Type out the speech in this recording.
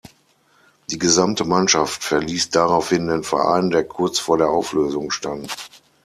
Die gesamte Mannschaft verließ daraufhin den Verein, der kurz vor der Auflösung stand.